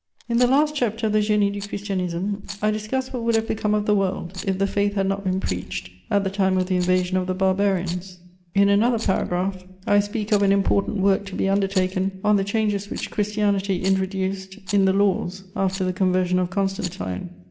In the last chapter of the Génie du Christianisme, I discuss what would have become of the world if the Faith had not been preached at the time of the invasion of the Barbarians; in another paragraph, I speak of an important work to be undertaken on the changes which Christianity introduced in the laws after the conversion of Constantine.